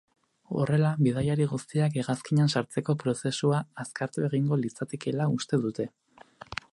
Horrela, bidaiari guztiak hegazkinean sartzeko prozesua azkartu egingo litzatekeela uste dute.